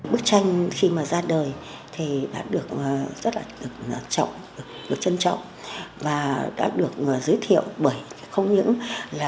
bức tranh khi mà ra đời thì đã được rất là trọng được trân trọng và đã được giới thiệu bởi không những là